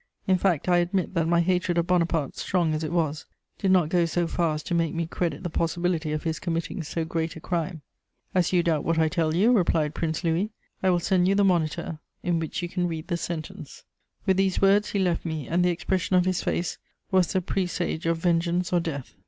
"In fact, I admit that my hatred of Bonaparte, strong as it was, did not go so far as to make me credit the possibility of his committing so great a crime. "'As you doubt what I tell you,' replied Prince Louis, 'I will send you the Moniteur, in which you can read the sentence.' "With these words he left me, and the expression of his face was the presage of vengeance or death.